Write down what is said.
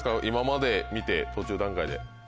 今まで見て途中段階で。